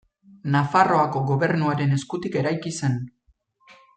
Nafarroako Gobernuaren eskutik eraiki zen.